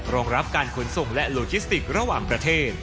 รองรับการขนส่งและโลจิสติกระหว่างประเทศ